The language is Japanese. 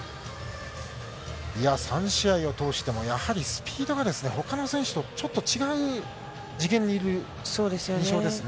いや、３試合を通しても、やはりスピードがですね、ほかの選手とちょっと違う次元にいる印象ですね。